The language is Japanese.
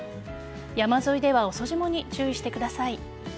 山沿いでは遅霜に注意してください。